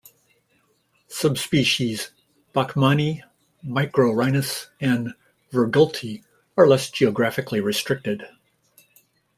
Subspecies "bachmani", "macrorhinus" and "virgulti" are less geographically restricted.